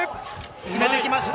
決めてきました。